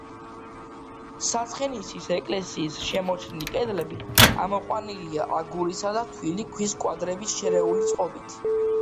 საცხენისის ეკლესიის შემორჩენილი კედლები ამოყვანილია აგურისა და თლილი ქვის კვადრების შერეული წყობით.